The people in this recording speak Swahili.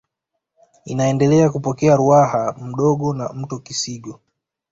Inaendelea kupokea Ruaha Mdogo na mto Kisigo